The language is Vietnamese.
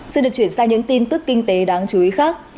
xin được chuyển sang những tin tức kinh tế đáng chú ý khác